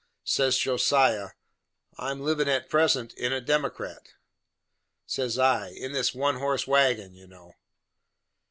Says Josiah, "I'm livin' at present in a Democrat." Says I, "In this one horse wagon, you know."